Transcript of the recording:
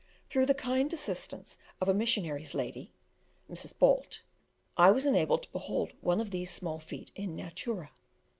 Through the kind assistance of a missionary's lady (Mrs. Balt) I was enabled to behold one of these small feet in natura.